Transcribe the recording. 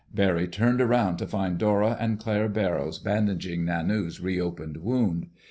Barry turned around to find Dora and Claire Barrows bandaging Nanu's re opened wound.